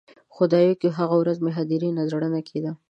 خدایږو، هغه ورځ مې هدیرې نه زړګی نه کیده